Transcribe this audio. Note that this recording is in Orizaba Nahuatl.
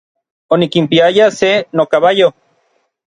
Onikpiaya se nokabayo.